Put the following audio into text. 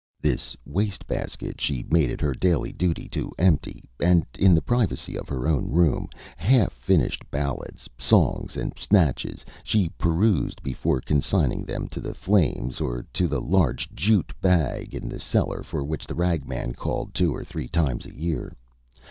This waste basket she made it her daily duty to empty, and in the privacy of her own room. Half finished "ballads, songs, and snatches" she perused before consigning them to the flames or to the large jute bag in the cellar, for which the ragman called two or three times a year.